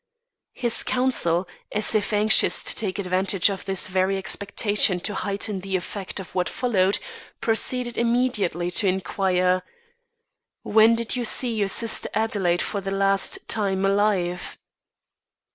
His counsel, as if anxious to take advantage of this very expectation to heighten the effect of what followed, proceeded immediately to inquire: "When did you see your sister Adelaide for the last time alive?"